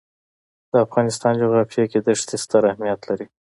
د افغانستان جغرافیه کې دښتې ستر اهمیت لري.